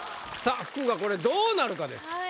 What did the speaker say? さあ福がこれどうなるかです。